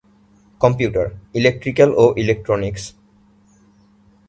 Computer, electrical ও electronics.